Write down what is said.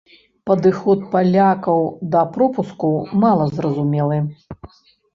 Падыход палякаў да пропуску мала зразумелы.